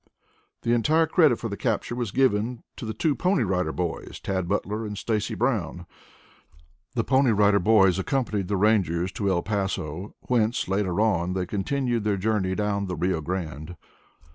The entire credit for the capture was given to the two Pony Rider Boys, Tad Butler and Stacy Brown. The Pony Rider Boys party accompanied the Rangers to El Paso, whence, later on, they continued their journey down the Rio Grande.